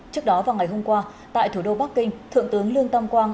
trước đó vào ngày hôm qua tại thủ đô bắc kinh thượng tướng lương tam quang